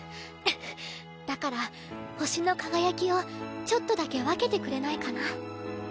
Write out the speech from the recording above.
だから星の輝きをちょっとだけ分けてくれないかな？